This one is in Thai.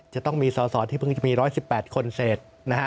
จะต้องมีส่อที่เพิ่งจะมี๑๑๘คนเศษ